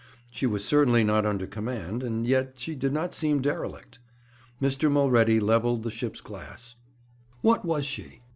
She was certainly not under command, and yet she did not seem derelict. Mr. Mulready levelled the ship's glass. What was she?